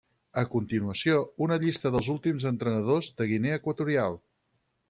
A continuació, una llista dels últims entrenadors de Guinea Equatorial.